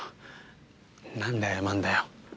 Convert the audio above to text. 何で謝んだよ。